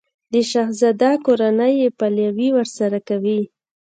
د شهزاده کورنۍ یې پلوی ورسره کوي.